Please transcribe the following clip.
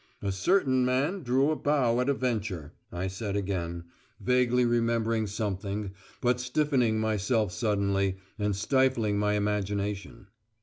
"A certain man drew a bow at a venture," I said again, vaguely remembering something, but stiffening myself suddenly, and stifling my imagination.